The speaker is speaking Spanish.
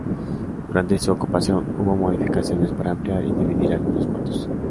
Durante su ocupación hubo modificaciones para ampliar y dividir algunos cuartos.